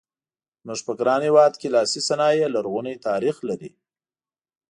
زموږ په ګران هېواد کې لاسي صنایع لرغونی تاریخ لري.